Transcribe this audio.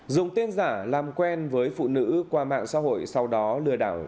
dùng tên giả làm quen với phụ nữ qua mạng xã hội sau đó lừa đảo